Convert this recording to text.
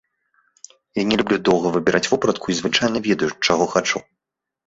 Я не люблю доўга выбіраць вопратку і звычайна ведаю, чаго хачу.